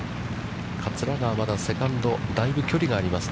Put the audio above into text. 桂川はまだセカンド、だいぶ距離があります